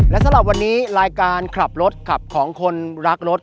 และสำหรับวันนี้รายการขับรถขับของคนรักรถ